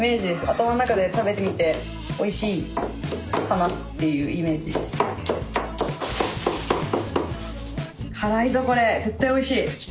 頭の中で食べてみておいしいかなっていうイメージです。